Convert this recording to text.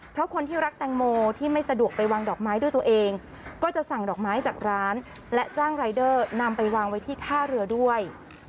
เพราะคนที่รักแตงโมที่ไม่สะดวกไปวางดอกไม้ด้วยตัวเองก็จะสั่งดอกไม้จากร้านและจ้างรายเดอร์นำไปวางไว้ที่ท่าเรือด้วย